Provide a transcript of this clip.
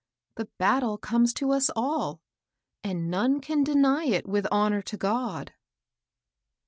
The battle comes to us all, and none can fly it with honor to God."